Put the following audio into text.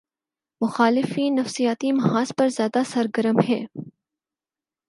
مخالفین نفسیاتی محاذ پر زیادہ سرگرم ہیں۔